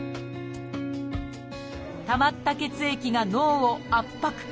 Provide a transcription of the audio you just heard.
たまった血液が脳を圧迫。